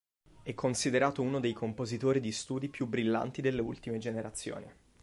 È considerato uno dei compositori di studi più brillanti delle ultime generazioni.